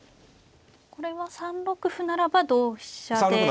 これは３六歩ならば同飛車で。